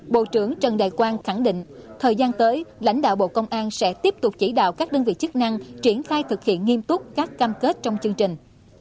bộ trưởng trần đại quang khẳng định thời gian tới lãnh đạo bộ công an sẽ tiếp tục chỉ đạo các đơn vị chức năng triển khai thực hiện nghiêm túc các cam kết trong chương trình